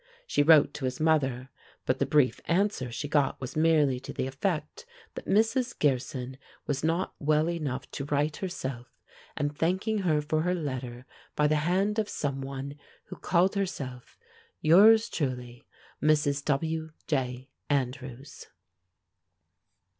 She wrote to his mother, but the brief answer she got was merely to the effect that Mrs. Gearson was not well enough to write herself, and thanking her for her letter by the hand of some one who called herself "Yrs truly, Mrs. W.J. Andrews."